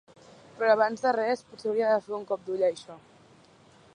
Però abans de res, potser hauria de fer un cop d'ull a això.